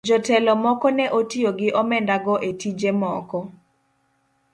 Jotelo moko ne otiyo gi omenda go e tije moko.